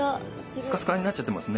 スカスカになっちゃってますね。